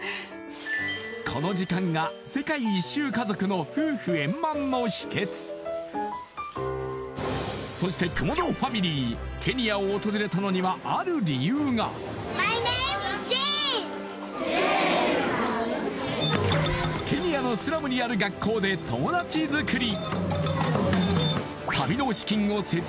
この時間が世界一周家族の夫婦円満の秘訣そして雲野ファミリーケニアを訪れたのにはある理由がケニアのスラムにある学校で友達づくり